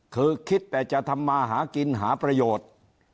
คือคิดแต่จะทำมาหากินหาประโยชน์